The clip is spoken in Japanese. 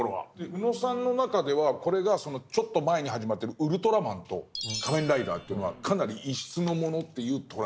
宇野さんの中ではこれがちょっと前に始まってる「ウルトラマン」と「仮面ライダー」というのはかなり異質のものっていう捉え方？